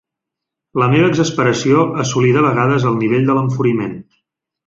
La meva exasperació assolí de vegades el nivell de l'enfuriment.